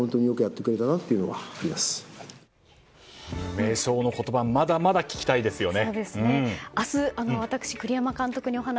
名将の言葉まだまだ聞きたいですよね。